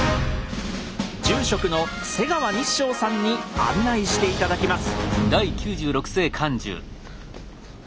住職の瀬川日照さんに案内して頂きます。